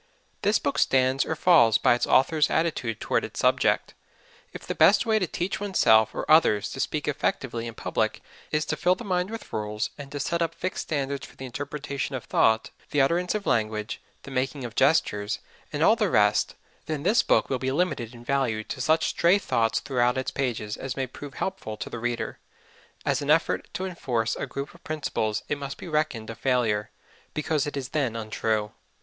This book stands or falls by its authors' attitude toward its subject. If the best way to teach oneself or others to speak effectively in public is to fill the mind with rules, and to set up fixed standards for the interpretation of thought, the utterance of language, the making of gestures, and all the rest, then this book will be limited in value to such stray ideas throughout its pages as may prove helpful to the reader as an effort to enforce a group of principles it must be reckoned a failure, because it is then untrue.